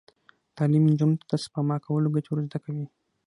تعلیم نجونو ته د سپما کولو ګټې ور زده کوي.